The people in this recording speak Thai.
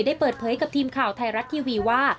ได้เปิดเผยกับทีมข่าวไทยรัฐทีวีว่า